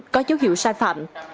có dấu hiệu sai phạm